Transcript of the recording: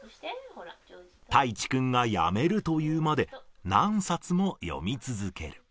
タイチくんがやめると言うまで何冊も読み続ける。